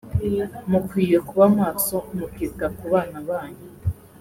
mukwiye kuba maso mukita ku bana banyu